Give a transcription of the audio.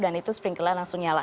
dan itu sprinkler langsung nyala